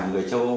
một người châu âu